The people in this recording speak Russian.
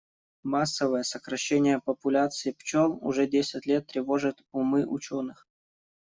Массовое сокращение популяции пчёл уже десять лет тревожит умы учёных.